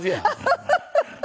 ハハハハ！